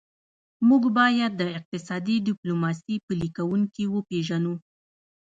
موږ باید د اقتصادي ډیپلوماسي پلي کوونکي وپېژنو